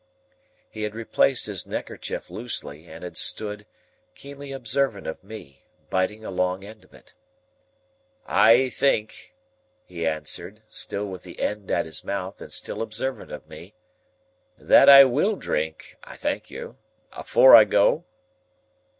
He had replaced his neckerchief loosely, and had stood, keenly observant of me, biting a long end of it. "I think," he answered, still with the end at his mouth and still observant of me, "that I will drink (I thank you) afore I go."